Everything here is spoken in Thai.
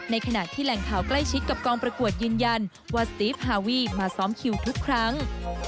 ขณะที่แหล่งข่าวใกล้ชิดกับกองประกวดยืนยันว่าสติฟฮาวีมาซ้อมคิวทุกครั้ง